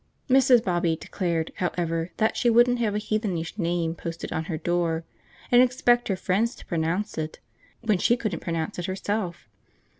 Mrs. Bobby declared, however, that she wouldn't have a heathenish name posted on her house, and expect her friends to pronounce it when she couldn't pronounce it herself.